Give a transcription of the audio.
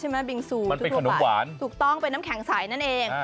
บิงซูขนมหวานถูกต้องเป็นน้ำแข็งใสนั่นเอง